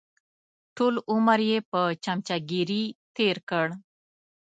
ټول عمر یې په چمچهګیري تېر کړ.